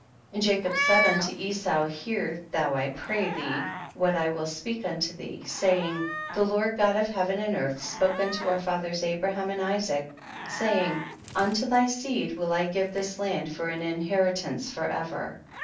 17. And Jacob said unto Esau, hear thou I pray thee what I will speak unto thee, saying, the Lord God of heaven and earth spoke unto our fathers Abraham and Isaac, say ing, unto thy seed will I give this land for an inheritance forever.